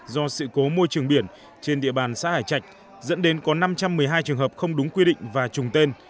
do sự cố môi trường biển trên địa bàn xã hải trạch dẫn đến có năm trăm một mươi hai trường hợp không đúng quy định và trùng tên